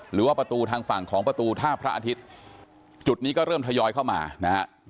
หรือว่าประตูทางฝั่งของประตูท่าพระอาทิตย์จุดนี้ก็เริ่มทยอยเข้ามานะฮะ